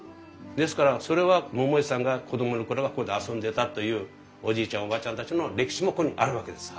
ですからそれは桃井さんが子供の頃はここで遊んでたというおじいちゃんおばあちゃんたちの歴史もここにあるわけです。